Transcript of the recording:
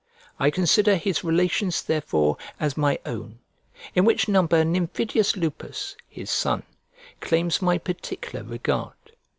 I consider his relations, therefore, as my own; in which number Nymphidius Lupus, his son, claims my particular regard.